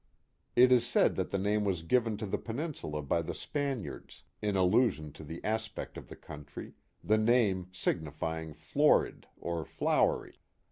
It is said that the name was given to the peninsula by the Span iards, in allusion to the aspect of the country, the name signifying florid or flowery.